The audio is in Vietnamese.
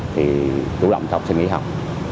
thì chủ động học sinh nghỉ học